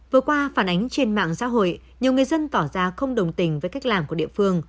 vừa qua phản ánh trên mạng xã hội nhiều người dân tỏ ra không đồng tình với cách làm của địa phương